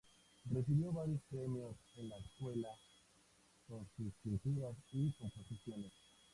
Recibió varios premios en la escuela con sus pinturas y composiciones.